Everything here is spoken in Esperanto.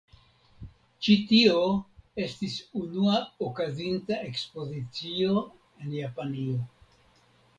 Ĉi tio estis unua okazinta Ekspozicio en Japanio.